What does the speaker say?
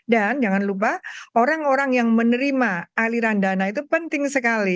dan jangan lupa orang orang yang menerima aliran dana itu penting sekali